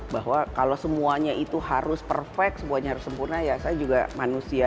bahwa kalau semuanya itu harus perfect semuanya harus sempurna ya saya juga manusia